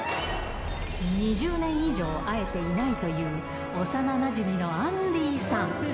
２０年以上会えていないという、幼なじみのアンディーさん。